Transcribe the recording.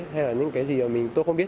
hay là những cái gì mà tôi không biết